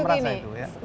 cara psikologi sudah